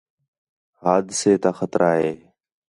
حادثے تا خطرہ ہِے